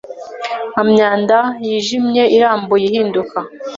Nka myanda yijimye irambuye ihinduka